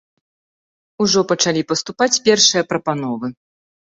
Ужо пачалі паступаць першыя прапановы.